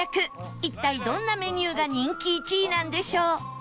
一体どんなメニューが人気１位なんでしょう？